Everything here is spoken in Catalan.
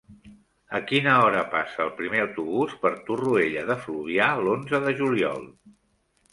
A quina hora passa el primer autobús per Torroella de Fluvià l'onze de juliol?